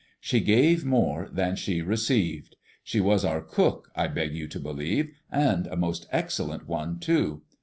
She gave more than she received. She was our cook, I beg you to believe, and a most excellent one too.